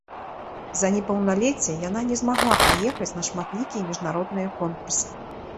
З-за непаўналецця яна не змагла паехаць на шматлікія міжнародныя конкурсы.